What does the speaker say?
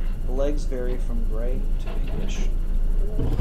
The legs vary from grey to pinkish.